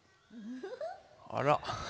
あら。